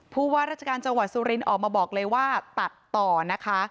ผู้ว่าราชการจังหวัดสุรินทร์ออกมาบอกเลยว่าตัดต่อนะคะ